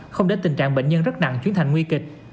không để tình trạng bệnh nhân rất nặng chuyến thành nguy kịch